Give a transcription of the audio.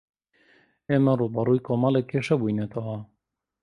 ئێمە ڕووبەڕووی کۆمەڵێک کێشە بووینەتەوە.